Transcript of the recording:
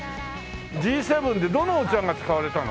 Ｇ７でどのお茶が使われたの？